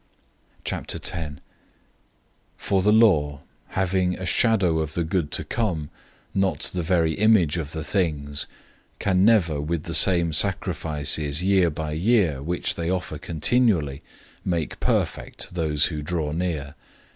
010:001 For the law, having a shadow of the good to come, not the very image of the things, can never with the same sacrifices year by year, which they offer continually, make perfect those who draw near.